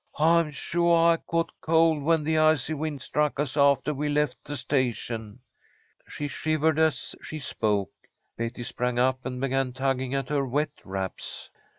I'm suah I caught cold when the icy wind struck us aftah we left the station." She shivered as she spoke. Betty sprang up and began tugging at her wet wraps.